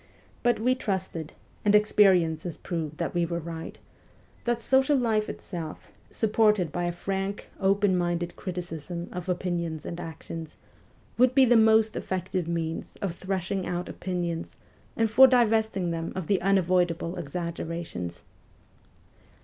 But we trusted and experience has proved that we were right that social life itself, supported by a frank, open minded criticism of opinions and actions, would be the most effective means for threshing out opinions and for divesting them of the unavoidable exaggerations.